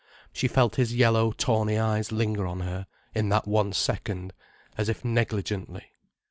She felt his yellow tawny eyes linger on her, in that one second, as if negligently.